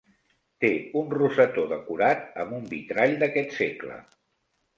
Té un rosetó decorat amb un vitrall d'aquest segle.